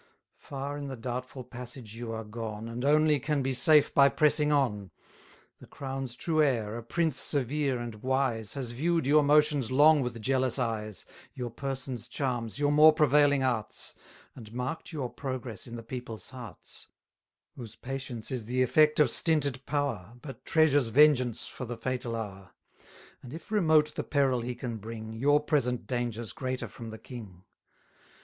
Far in the doubtful passage you are gone, And only can be safe by pressing on. The crown's true heir, a prince severe and wise, Has view'd your motions long with jealous eyes, Your person's charms, your more prevailing arts, And mark'd your progress in the people's hearts, Whose patience is the effect of stinted power, But treasures vengeance for the fatal hour; 170 And if remote the peril he can bring, Your present danger's greater from the king.